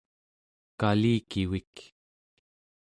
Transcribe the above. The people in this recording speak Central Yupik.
kalikivik